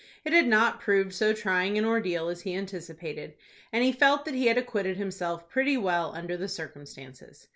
It had not proved so trying an ordeal as he anticipated, and he felt that he had acquitted himself pretty well under the circumstances.